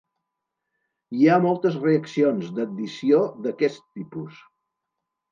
Hi ha moltes reaccions d'addició d'aquest tipus.